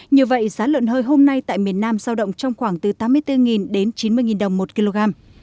như vậy giá lợn hơi hôm nay tại miền nam giao động trong khoảng từ tám mươi bốn đến chín mươi đồng một kg